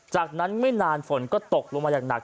จากนั้นไม่นานฝนก็ตกลงมาอย่างหนัก